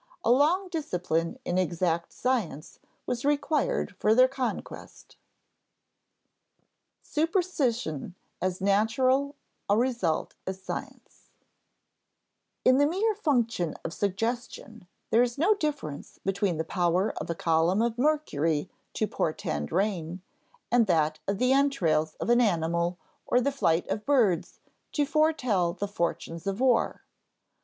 A long discipline in exact science was required for their conquest. [Sidenote: Superstition as natural a result as science] In the mere function of suggestion, there is no difference between the power of a column of mercury to portend rain, and that of the entrails of an animal or the flight of birds to foretell the fortunes of war.